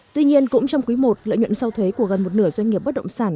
tuy nhiên cũng trong quý i lợi nhuận sau thuế của gần một nửa doanh nghiệp bất động sản